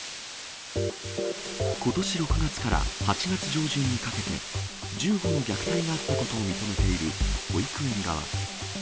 ことし６月から８月上旬にかけて、１５の虐待があったことを認めている保育園側。